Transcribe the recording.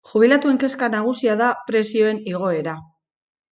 Jubilatuen kezka nagusia da prezioen igoera